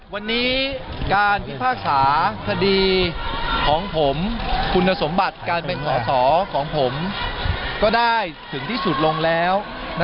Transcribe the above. วันนี้การพิพากษาคดีของผมคุณสมบัติการเป็นสอสอของผมก็ได้ถึงที่สุดลงแล้ว